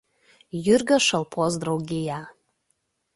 Jurgio šalpos draugiją.